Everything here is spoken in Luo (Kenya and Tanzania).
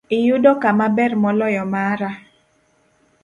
Iyudo kama ber moloyo mara.